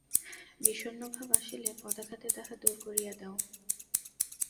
বিষণ্ণভাব আসিলে পদাঘাতে তাহা দূর করিয়া দাও।